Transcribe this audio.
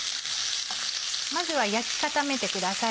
まずは焼き固めてください。